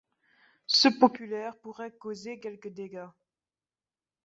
Ce populaire pourrait causer quelques dégâts.